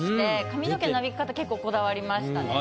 髪の毛のなびき方結構こだわりましたね。